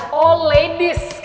lomba yang di atas sendok